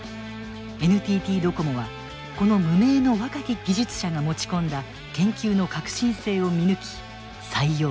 ＮＴＴドコモはこの無名の若き技術者が持ち込んだ研究の革新性を見抜き採用。